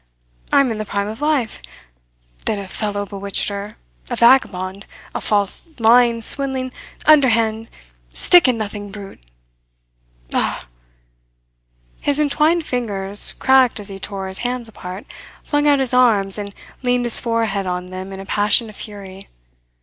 I am in the prime of life ... then a fellow bewitched her a vagabond, a false, lying, swindling, underhand, stick at nothing brute. Ah!" His entwined fingers cracked as he tore his hands apart, flung out his arms, and leaned his forehead on them in a passion of fury.